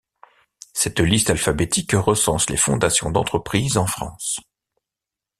Cette liste alphabétique recense les fondations d'entreprises en France.